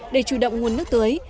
để chủ động nguồn nước tưới